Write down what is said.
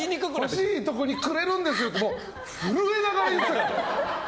欲しいところにくれるんですよって震えながら言ってる。